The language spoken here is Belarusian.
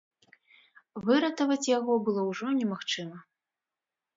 Выратаваць яго было ўжо немагчыма.